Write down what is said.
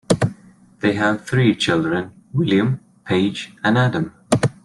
They have three children, William, Paige, and Adam.